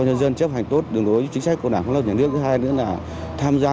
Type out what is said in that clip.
nhân dân chấp hành tốt đường đối với chính sách của đảng phát lập nhà nước cứ hai nữa là tham gia